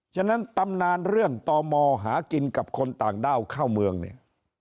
ฉะนั้นตำนานเรื่องต่อมอหากินกับคนต่างด้าวเข้าเมืองเนี่ย